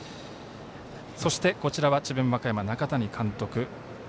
そして、こちらは智弁和歌山の中谷監督。